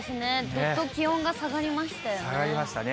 どっと気温が下下がりましたね。